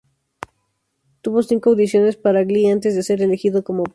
Tuvo cinco audiciones para Glee antes de ser elegido como Puck.